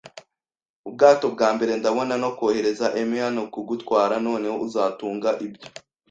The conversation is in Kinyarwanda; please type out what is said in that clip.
ubwato bwa mbere ndabona, no kohereza 'em hano kugutwara. Noneho, uzatunga ibyo